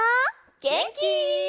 げんき？